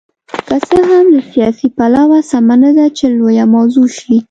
که څه هم له سیاسي پلوه سمه نه ده چې لویه موضوع شي.